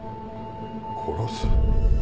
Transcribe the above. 「殺す」？